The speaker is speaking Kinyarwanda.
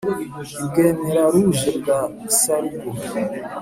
i bwemera-ruge bwa sarugo,